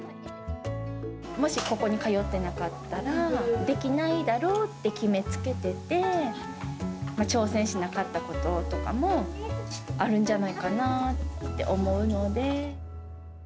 もしここに通ってなかったら、できないだろうって決めつけてて、挑戦しなかったこととかもあるんじゃないかなって思うので。